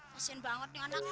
pasien banget nih anak